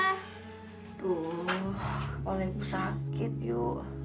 aduh kepalanya aku sakit iu